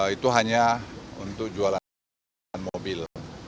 itu hanya untuk jualan mobil